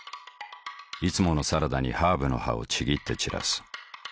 いつものサラダにハーブの葉をちぎって散らす。